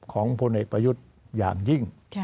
พลเอกประยุทธ์อย่างยิ่ง